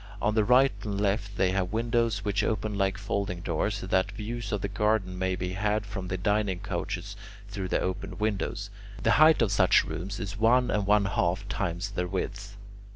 On the right and left they have windows which open like folding doors, so that views of the garden may be had from the dining couches through the opened windows. The height of such rooms is one and one half times their width.